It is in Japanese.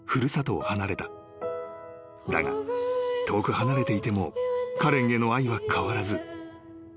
［だが遠く離れていてもカレンへの愛は変わらず］